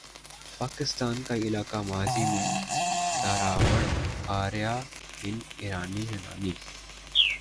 پاکستان کا علاقہ ماضی میں دراوڑ، آریا، ہن، ایرانی، یونانی،